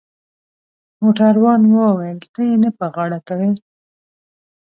موټروان وویل: ته يې نه په غاړه کوې؟